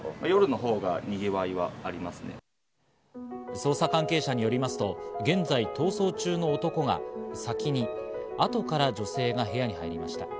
捜査関係者によりますと、現在逃走中の男が先に、後から女性が部屋に入りました。